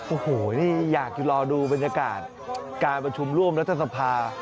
โอ้โหนี่อยากจะรอดูบรรยากาศการประชุมร่วมรัฐสภา